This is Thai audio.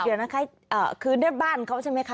เดี๋ยวนะคะคือด้วยบ้านเขาใช่ไหมคะ